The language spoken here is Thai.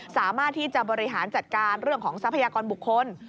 สามารถที่จะบริหารจัดการเรื่องของทรัพยากรบุคคล